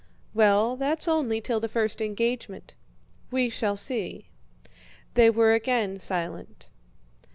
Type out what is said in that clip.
"Well, that's only till the first engagement." "We shall see." They were again silent.